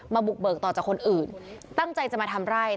บุกเบิกต่อจากคนอื่นตั้งใจจะมาทำไร่